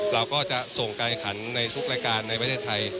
เราก็จะส่งการขันในทุกรายการในประเทศไทย